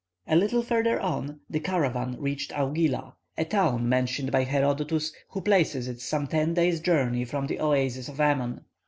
A little further on, the caravan reached Augila, a town mentioned by Herodotus, who places it some ten days' journey from the oasis of Ammon.